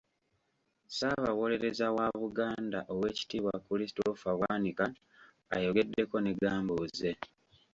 Ssaabawolerereza wa Buganda Oweekitiibwa Christopher Bwanika ayogedeko ne Gambuuze.